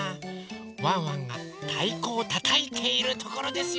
ワンワンがたいこをたたいているところですよ。